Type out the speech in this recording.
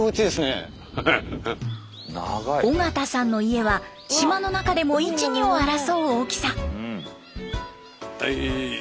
尾形さんの家は島の中でも一二を争う大きさ。